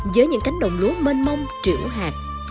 giới những cánh đồng lúa mênh mông triệu hạt